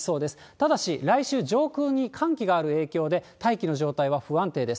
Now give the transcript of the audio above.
ただし、来週、上空に寒気がある影響で、大気の状態は不安定です。